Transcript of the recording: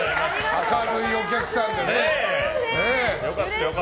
明るいお客さんで。